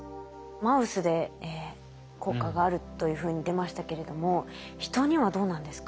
マウスで効果があるというふうに出ましたけれども人にはどうなんですか？